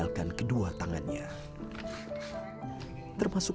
mereka budget nya wollennya udah diesesing